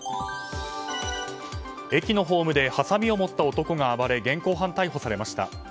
駅のホームではさみを持った男が暴れ現行犯逮捕されました。